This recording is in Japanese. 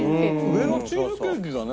上のチーズケーキがね